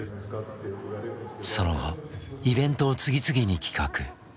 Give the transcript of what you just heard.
その後イベントを次々に企画。